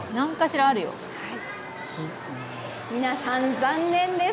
皆さん、残念です。